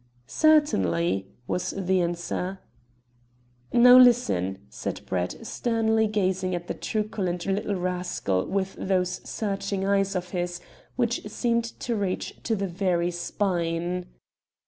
"Certainly," was the answer. "Now listen," said Brett, sternly gazing at the truculent little rascal with those searching eyes of his, which seemed to reach to the very spine.